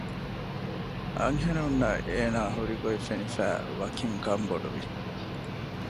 އަންހެނުންނަށް އޭނާ ހުރިގޮތް ފެނިފައި ވަކިން ކަންބޮޑުވި